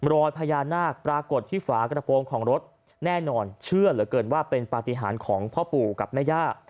รอยพญานาคปรากฏที่ฝากระโปรงของรถแน่นอนเชื่อเหลือเกินว่าเป็นปฏิหารของพ่อปู่กับแม่ย่า